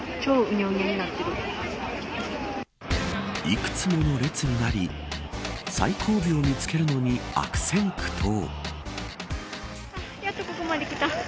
いくつもの列になり最後尾を見つけるのに悪戦苦闘。